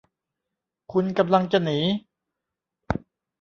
คุณกำลังจะหนี